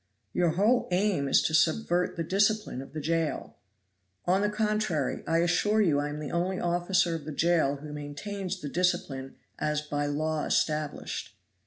"Your whole aim is to subvert the discipline of the jail." "On the contrary, I assure you I am the only officer of the jail who maintains the discipline as by law established."